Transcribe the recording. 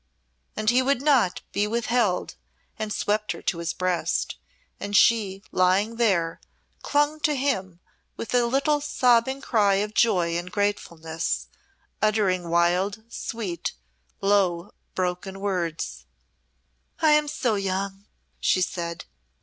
And he would not be withheld and swept her to his breast, and she, lying there, clung to him with a little sobbing cry of joy and gratefulness, uttering wild, sweet, low, broken words. "I am so young," she said.